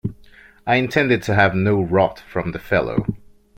I intended to have no rot from the fellow.